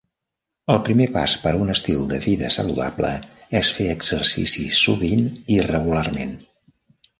El primer pas per a un estil de vida saludable és fer exercici sovint i regularment.